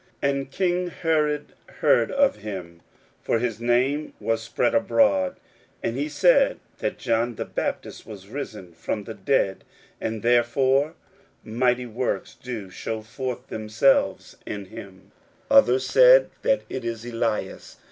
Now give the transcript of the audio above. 41:006:014 And king Herod heard of him; (for his name was spread abroad:) and he said, That John the Baptist was risen from the dead, and therefore mighty works do shew forth themselves in him. 41:006:015 Others said, That it is Elias.